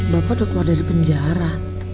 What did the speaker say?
bapak udah keluar dari penjara